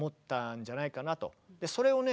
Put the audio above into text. それをね